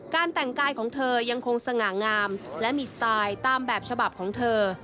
แต่งกายของเธอยังคงสง่างามและมีสไตล์ตามแบบฉบับของเธอ